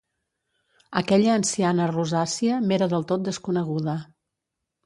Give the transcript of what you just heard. Aquella anciana rosàcia m'era del tot desconeguda.